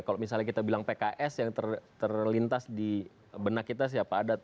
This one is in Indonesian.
kalau misalnya kita bilang pks yang terlintas di benak kita siapa